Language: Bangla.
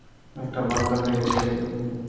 একটা বার্তা পেয়েছি আমি।